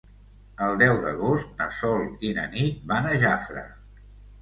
El deu d'agost na Sol i na Nit van a Jafre.